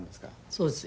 そうです。